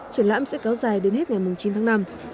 triển lãm sẽ kéo dài đến hết ngày chín tháng năm